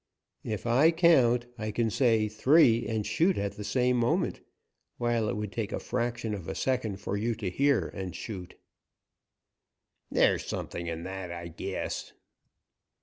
"If I count, I can say three and shoot at the same moment, while it would take a fraction of a second for you to hear and shoot." "There's something in that, I guess."